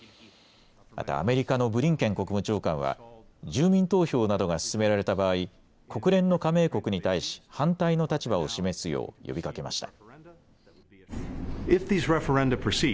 またアメリカのブリンケン国務長官は住民投票などが進められた場合、国連の加盟国に対し反対の立場を示すよう呼びかけました。